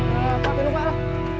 pak pino pak lah